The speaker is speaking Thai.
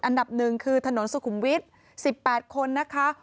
อันดับหนึ่งคือถนนสุขุมวิทย์๑๘คนนะคะ